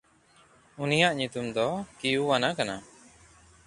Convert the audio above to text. ᱩᱱᱤᱭᱟᱜ ᱧᱩᱛᱩᱢ ᱫᱚ ᱠᱤᱭᱩᱣᱟᱱᱟ ᱠᱟᱱᱟ᱾